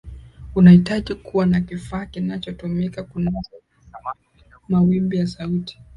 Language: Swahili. unahitaji kuwa na kifaa kinachotumika kunasa mawimbi ya sauti